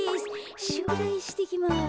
しゅくだいしてきます。